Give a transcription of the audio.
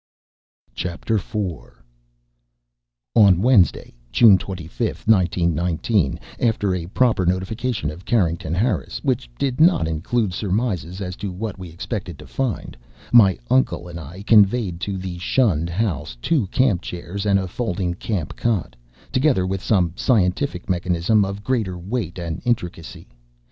4 On Wednesday, June 25, 1919, after a proper notification of Carrington Harris which did not include surmises as to what we expected to find, my uncle and I conveyed to the shunned house two camp chairs and a folding camp cot, together with some scientific mechanism of greater weight and intricacy.